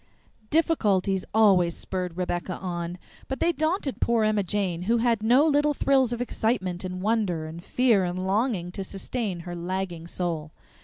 Difficulties always spurred Rebecca on, but they daunted poor Emma Jane, who had no little thrills of excitement and wonder and fear and longing to sustain her lagging soul.